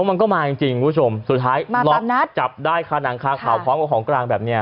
มันก็มาจริงสุดท้ายล็อคจับได้ค่ะหนังคาขาวพร้อมกับของกลางแบบนี้